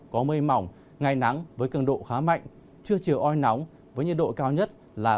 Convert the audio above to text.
có mây mỏng ngày nắng với cường độ khá mạnh trưa chiều oi nóng với nhiệt độ cao nhất là ba mươi bốn độ